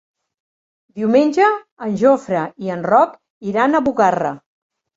Diumenge en Jofre i en Roc iran a Bugarra.